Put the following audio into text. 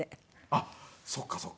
あっそっかそっか。